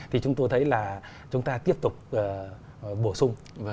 thì chúng tôi thấy là chúng ta tiếp tục bổ sung